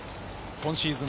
今シーズン